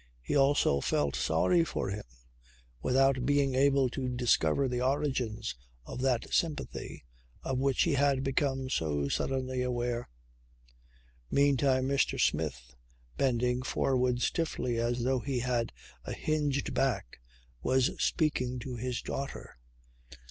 He also felt sorry for him without being able to discover the origins of that sympathy of which he had become so suddenly aware. Meantime Mr. Smith, bending forward stiffly as though he had a hinged back, was speaking to his daughter.